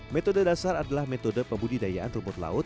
metode dasar adalah metode pembudidayaan rumput laut